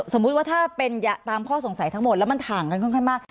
สมมุติว่าถ้าเป็นตามข้อสงสัยทั้งหมดแล้วมันห่างกันค่อนข้างมาก